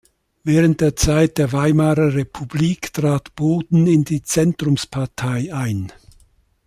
Während der Zeit der Weimarer Republik trat Boden in die Zentrumspartei ein.